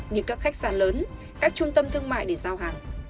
như các khách sạn lớn các trung tâm thương mại để giao hàng